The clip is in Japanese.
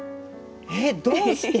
えどうして？